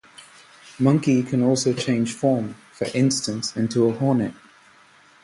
Monkey can also change form, for instance into a hornet.